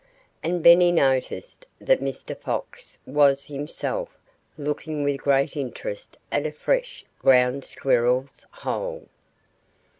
And Benny noticed that Mr. Fox was himself looking with great interest at a fresh Ground Squirrel's hole.